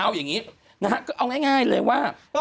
เอาอย่างนี้นะฮะก็เอาง่ายเลยว่า